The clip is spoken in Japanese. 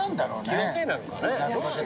気のせいなのかね。